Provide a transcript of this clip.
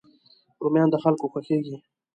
رومیان د خلکو خوښېږي